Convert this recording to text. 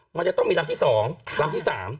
มันจะต้องมีลำที่๒ลำที่๓